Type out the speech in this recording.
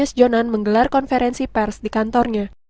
dan mengatakan akan akan menggantikan konferensi pers di kantornya